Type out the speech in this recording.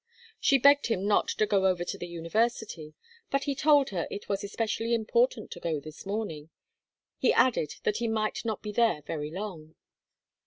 She begged him not to go over to the university, but he told her it was especially important to go this morning. He added that he might not be there very long.